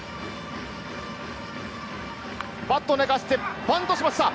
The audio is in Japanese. バット寝かしてバントしました。